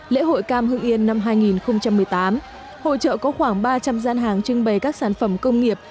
lễ hội cam hưng yên năm hai nghìn một mươi tám hội trợ có khoảng ba trăm linh gian hàng trưng bày các sản phẩm công nghiệp